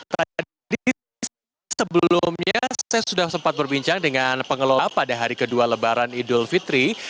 tadi sebelumnya saya sudah sempat berbincang dengan pengelola pada hari kedua lebaran idul fitri